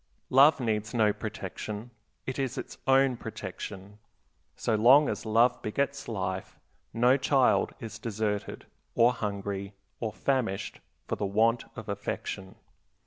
Love needs no protection; it is its own protection. So long as love begets life no child is deserted, or hungry, or famished for the want of affection.